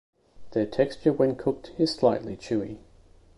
Their texture when cooked is slightly chewy.